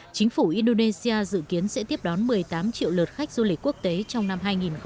chính phủ indonesia dự kiến sẽ tiếp đón một mươi tám triệu lượt khách du lịch quốc tế trong năm hai nghìn hai mươi